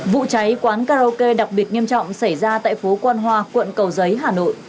vụ cháy quán karaoke đặc biệt nghiêm trọng xảy ra tại phố quan hoa quận cầu giấy hà nội